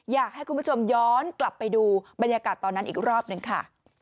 อยากให้คุณผู้ชมย้อนกลับไปดูบรรยากาศตอนนั้นอีกรอบหนึ่งค่ะ